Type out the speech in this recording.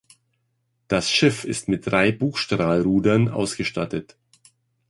Das Schiff ist mit drei Bugstrahlrudern ausgestattet.